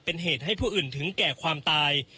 เป็นเหตุให้ผู้อื่นถึงแก่ความตาย